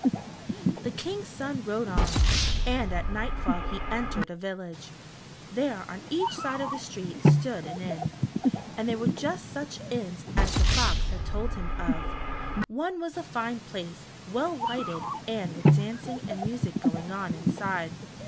The King's son rode on, and at nightfall he entered a village. There on each side of the street stood an inn, and they were just such inns as the fox had told him of. One was a fine place, well lighted, and with dancing and music going on inside.